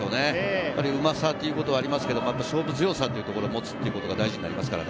やっぱりうまさというのもありますが勝負強さというのも持つというのが大事になりますからね。